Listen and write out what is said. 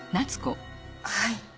はい。